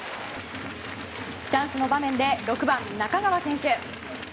チャンスの場面で６番の中川選手。